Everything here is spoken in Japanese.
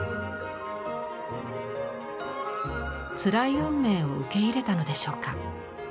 つらい運命を受け入れたのでしょうか。